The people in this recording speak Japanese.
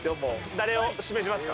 誰を指名しますか？